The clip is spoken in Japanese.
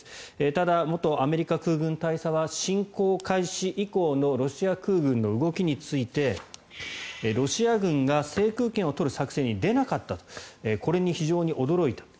ただ、元アメリカ空軍大佐は侵攻開始以降のロシア空軍の動きについてロシア軍が制空権を取る作戦に出なかったとこれに非常に驚いたと。